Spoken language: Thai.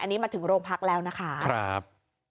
อันนี้มาถึงโรงพักแล้วนะคะครับ